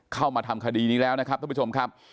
เข้ามาทำคดีนี้แล้วนะครับท่านผู้ชมครับ